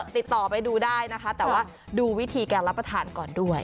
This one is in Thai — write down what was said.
ติดต่อไปดูได้นะคะแต่ว่าดูวิธีการรับประทานก่อนด้วย